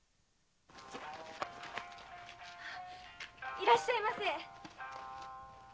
いらっしゃいませ。